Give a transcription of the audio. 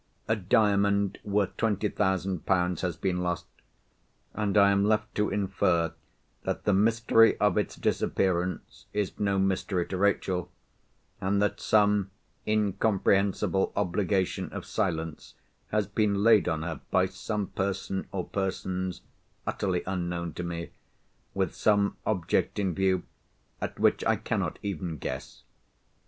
A Diamond worth twenty thousand pounds has been lost—and I am left to infer that the mystery of its disappearance is no mystery to Rachel, and that some incomprehensible obligation of silence has been laid on her, by some person or persons utterly unknown to me, with some object in view at which I cannot even guess.